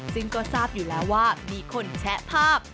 ซึ่งก็ทราบอยู่แล้วว่ามีคนแชะภาพ